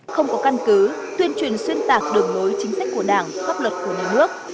không có căn cứ tuyên truyền xuyên tạc đường nối chính sách của đảng pháp luật của nước